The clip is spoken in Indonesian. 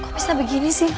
kok bisa begini sih ma